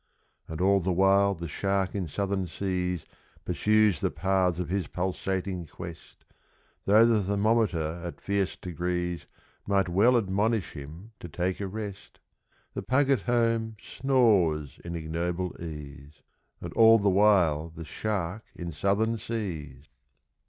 = And all the while the Shark in Southern seas [Illustration: 013] `Pursues the paths of his pulsating quest, Though the thermometer at fierce degrees `Might well admonish him to take a rest, The Pug at home snores in ignoble ease. (And all the while the Shark in Southern seas!)